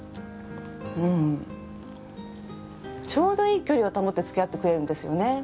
うんちょうどいい距離を保ってつきあってくれるんですよね。